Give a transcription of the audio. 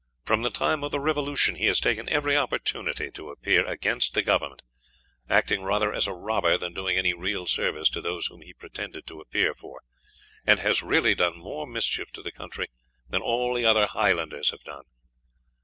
From the time of the Revolution he has taken every opportunity to appear against the Government, acting rather as a robber than doing any real service to those whom he pretended to appear for, and has really done more mischief to the countrie than all the other Highlanders have done.